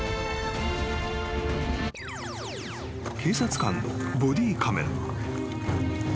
［警察官のボディーカメラ］